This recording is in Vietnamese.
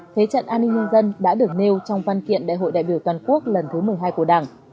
thế trận an ninh nhân dân đã được nêu trong văn kiện đại hội đại biểu toàn quốc lần thứ một mươi hai của đảng